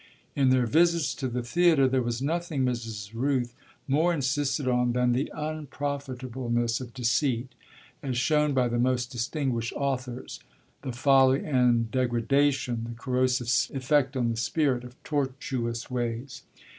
In their visits to the theatre there was nothing Mrs. Rooth more insisted on than the unprofitableness of deceit, as shown by the most distinguished authors the folly and degradation, the corrosive effect on the spirit, of tortuous ways.